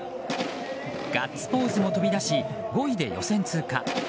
ガッツポーズも飛び出し５位で予選通過。